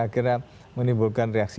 akhirnya menimbulkan reaksi